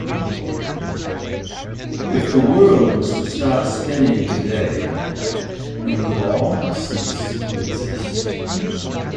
If the world was to stop spinning today, we would all cease to exist.